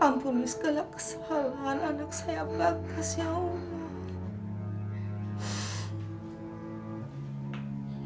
ampuni segala kesalahan anak saya bakas ya allah